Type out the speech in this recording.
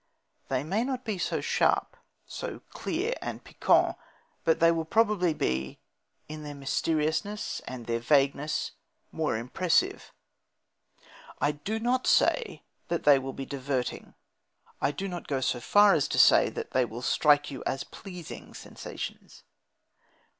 They may not be so sharp, so clear and piquant, but they will probably be, in their mysteriousness and their vagueness, more impressive. I do not say that they will be diverting. I do not go so far as to say that they will strike you as pleasing sensations.